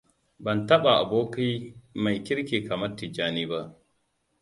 Ban taɓa aboki mai kirki kamar Tijjani ba.